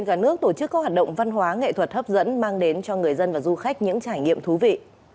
các tổ chức có hoạt động văn hóa nghệ thuật hấp dẫn mang đến cho người dân và du khách những trải nghiệm thú vị